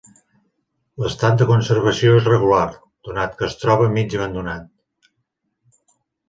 L'estat de conservació és regular, donat que es troba mig abandonat.